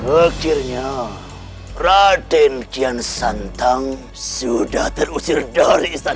akhirnya raden kian santang sudah terusir dari istana